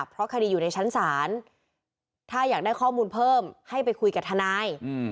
เพราะคดีอยู่ในชั้นศาลถ้าอยากได้ข้อมูลเพิ่มให้ไปคุยกับทนาย